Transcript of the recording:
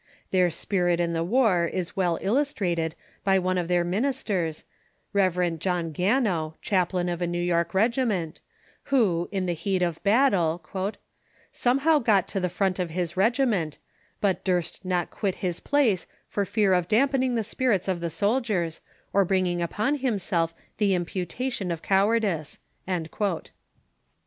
Their spirit in the war is well illustrated by one of their ministers, Rev. John Gano, chaplain of a New York regiment, who, in the heat of battle, "somehow got to the front of his regiment, but durst not quit his place for fear of dampening the spirits of the soldiers, or bringing upon himself the imputation of cowardice."